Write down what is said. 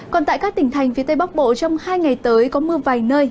còn tại các tỉnh thành phía tây bắc bộ trong hai ngày tới có mưa vài nơi